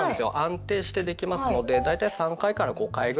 安定してできますのでだいたい３５回ぐらい。